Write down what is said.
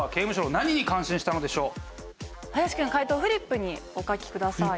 何に感心したんでしょうか。